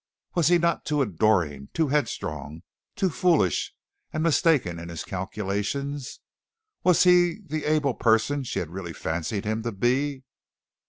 Was he not too adoring, too headstrong, too foolish and mistaken in his calculations? Was he the able person she had really fancied him to be?